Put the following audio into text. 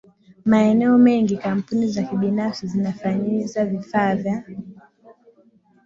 maeneo mengi kampuni za kibinafsi zinafanyiza vifaa vya